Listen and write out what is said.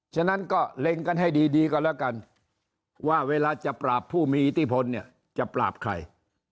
ฉะนั้นก็เล็งกันให้ดีก็แล้วกันว่าเวลาจะปราบผู้มีอิทธิพลเนี่ยจะปราบใคร